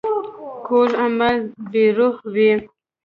کوږ عمل بې روح وي